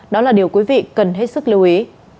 đó là điều quý vị cần hết sức lưu ý